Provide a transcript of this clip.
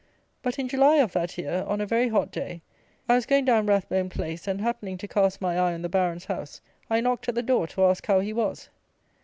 But, in July of that year, on a very hot day, I was going down Rathbone Place, and, happening to cast my eye on the Baron's house, I knocked at the door to ask how he was.